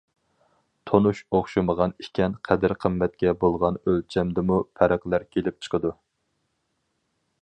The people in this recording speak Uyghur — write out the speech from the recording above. تونۇش ئوخشىمىغان ئىكەن قەدىر-قىممەتكە بولغان ئۆلچەمدىمۇ پەرقلەر كېلىپ چىقىدۇ.